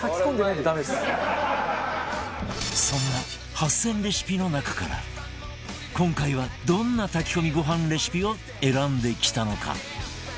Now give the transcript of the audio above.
そんな８０００レシピの中から今回はどんな炊き込みご飯レシピを選んできたのか？